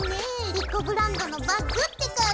莉子ブランドのバッグって感じ。